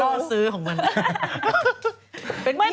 ช่วยกันรอซื้อของมัน